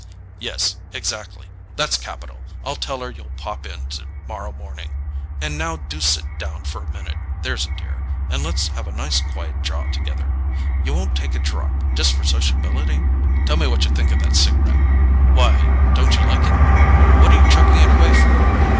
"Yes: exactly—that's capital. I'll tell her you'll pop in tomorrow morning. And now do sit down a minute, there's a dear, and let's have a nice quiet jaw together. You won't take a drop, just for sociability? Tell me what you think of that cigarette. Why, don't you like it? What are you chucking it away for?"